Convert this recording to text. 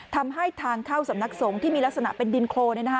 ทำให้ทางเข้าสำนักสงฆ์ที่มีลักษณะเป็นดินโครน